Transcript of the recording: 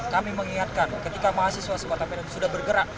kami mengingatkan ketika mahasiswa sempatan pendek sudah bergerak